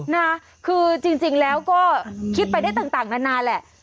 นะคือจริงแล้วก็คิดไปได้ต่างนานาแหละ